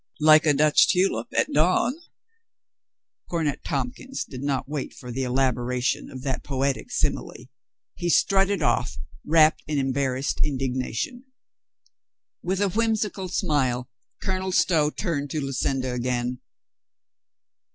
Like a Dutch tulip at dawn —" Cornet Tompkins did not wait for the elaboration of that poetic simile. He strutted off, wrapped in embarrassed indignation. With a whimsical smile Colonel Stow turned to Lucinda again.